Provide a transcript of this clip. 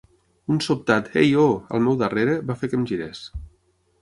Un sobtat "Ei, ho!" al meu darrere va fer que em girés.